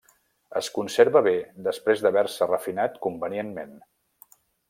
Es conserva bé després d’haver-se refinat convenientment.